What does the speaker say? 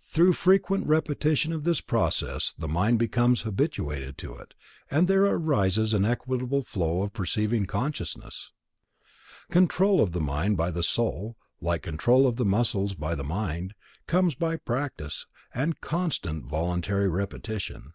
Through frequent repetition of this process, the mind becomes habituated to it, and there arises an equable flow of perceiving consciousness. Control of the mind by the Soul, like control of the muscles by the mind, comes by practice, and constant voluntary repetition.